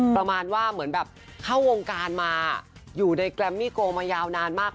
ประมาณว่าเหมือนแบบเข้าวงการมาอยู่ในแกรมมี่โกมายาวนานมาก